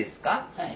はい。